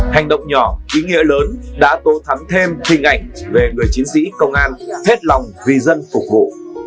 hành động nhỏ ý nghĩa lớn đã tô thắm thêm hình ảnh về người chiến sĩ công an hết lòng vì dân phục vụ